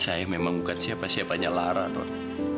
saya yang memang bukan siapa siapanya lara non